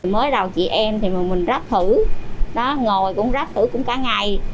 mới đầu chị em thì mình ráp thử đó ngồi cũng ráp thử cũng cả ngày